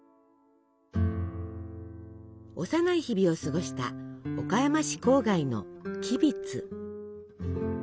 幼い日々を過ごした岡山市郊外の吉備津。